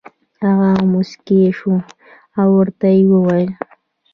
هغه موسکی شو او ورته یې وویل: